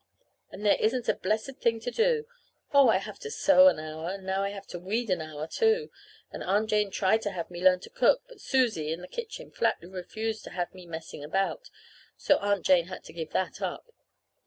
And there isn't a blessed thing to do. Oh, I have to sew an hour, and now I have to weed an hour, too; and Aunt Jane tried to have me learn to cook; but Susie (in the kitchen) flatly refused to have me "messing around," so Aunt Jane had to give that up.